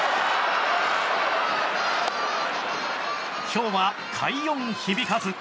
今日は快音響かず。